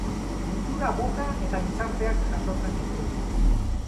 Mundura bota eta gizarteak jasotzen ditu.